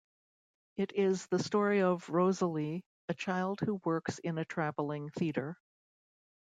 It is the story of Rosalie, a child who works in a travelling theatre.